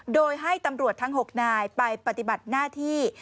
โดยให้ตำรวจทั้ง๖นายไปปฏิบัติหน้าที่